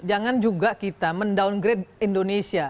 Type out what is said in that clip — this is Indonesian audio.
jangan juga kita mendowngrade indonesia